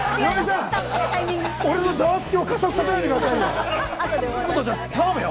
俺のざわつきを加速させないでください、武藤ちゃん、頼むよ。